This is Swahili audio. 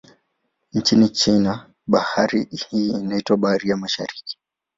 Nchini China, bahari hii inaitwa Bahari ya Mashariki.